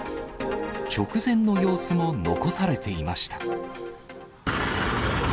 直前の様子も残されていました。